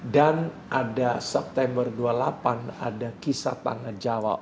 dan ada september dua puluh delapan ada kisah tanah jawa